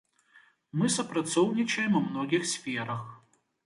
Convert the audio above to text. Мы супрацоўнічаем ў многіх сферах.